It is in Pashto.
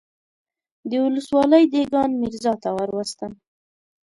د ولسوالۍ دېګان ميرزا ته وروستم.